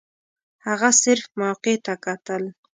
هغه صرف موقع ته کتل.